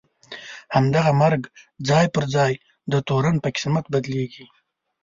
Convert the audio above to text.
همدغه مرګ ځای پر ځای د تورن په قسمت بدلېږي.